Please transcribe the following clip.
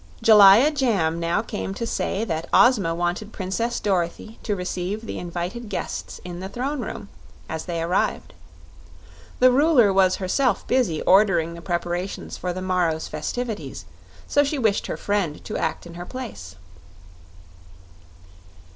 Jellia Jamb now came to say that Ozma wanted Princess Dorothy to receive the invited guests in the Throne Room, as they arrived. The Ruler was herself busy ordering the preparations for the morrow's festivities, so she wished her friend to act in her place.